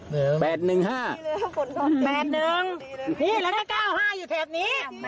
๘๑นี่แล้วเลข๙๕อยู่เทปนี้